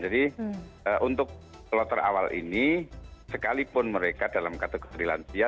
jadi untuk kloter awal ini sekalipun mereka dalam kategori lansia